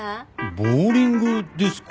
ボウリングですか？